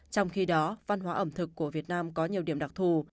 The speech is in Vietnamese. trong khi đó văn hóa ẩm thực của việt nam có nhiều điểm đặc thù